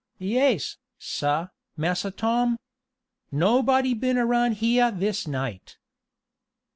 "Yais, sah, Massa Tom. Nobody been around yeah this night."